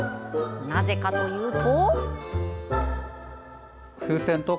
なぜかというと。